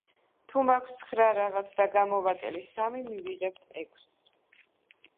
თუ მაქვს ცხრა რაღაც და გამოვაკელი სამი, მივიღებთ ექვს.